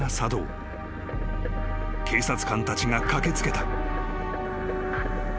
［警察官たちが駆け付けた］